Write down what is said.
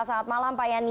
selamat malam pak yani